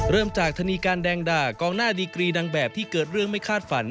เริ่มจากธนีการแดงด่ากองหน้าดีกรีนางแบบที่เกิดเรื่องไม่คาดฝัน